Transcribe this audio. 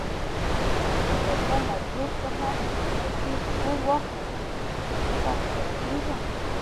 هلته به زه له جورج څخه پیسې په پور واخلم، ځکه ورسره پېژنم.